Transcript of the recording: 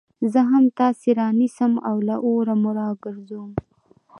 زه هم تاسي رانيسم او له اوره مو راگرځوم